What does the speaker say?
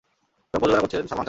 এবং প্রযোজনা করেছেন সালমান খান।